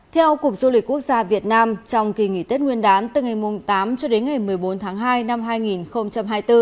theo cục du lịch quốc gia việt nam trong kỳ nghỉ tết nguyên đán từ ngày tám cho đến ngày một mươi bốn tháng hai năm hai nghìn hai mươi bốn